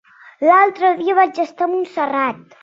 L'altre dia vaig estar a Montserrat.